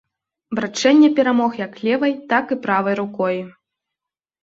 Братчэня перамог як левай, так і правай рукой.